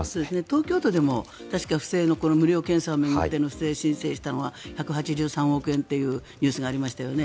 東京都でも確か無料検査を巡っての不正申請をしたのが１８３億円というニュースがありましたよね。